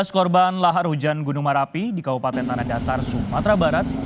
tujuh belas korban lahar hujan gunung merapi di kabupaten tanah datar sumatera barat